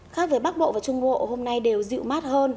khác với bắc bộ và trung bộ hôm nay đều dịu mát hơn